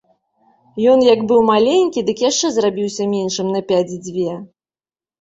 Ён як быў маленькі, дык яшчэ зрабіўся меншым на пядзі дзве.